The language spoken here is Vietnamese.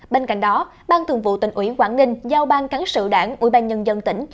bên cạnh đó bang thượng vụ tỉnh ủy quảng đình giao bang cắn sự đảng ủy ban nhân dân tỉnh